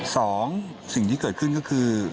สิ่งที่เกิดขึ้นก็คือ